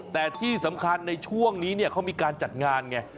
แต่ที่สำคัญในช่วงนี้เขามีการจัดงานไง